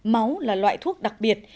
máu là loại thuốc đặc biệt